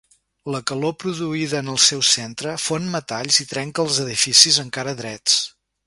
La calor produïda en el seu centre fon metalls i trenca els edificis encara drets.